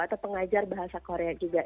atau pengajar bahasa korea juga